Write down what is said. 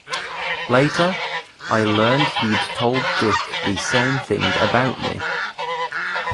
Later, I learned he'd told Dick the same thing about me.